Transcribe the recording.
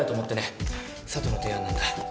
佐都の提案なんだ。